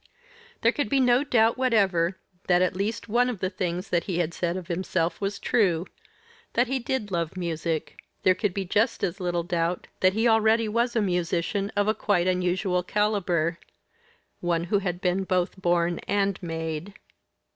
There could be no doubt whatever that at least one of the things that he had said of himself was true, and that he did love music; there could be just as little doubt that he already was a musician of a quite unusual calibre one who had been both born and made.